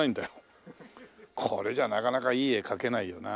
これじゃあなかなかいい絵描けないよな。